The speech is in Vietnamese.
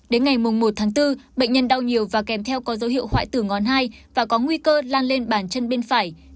đến ngày một tháng bốn bệnh nhân đau nhiều và kèm theo có dấu hiệu hoại tử ngón hai và có nguy cơ lan lên bàn chân bên phải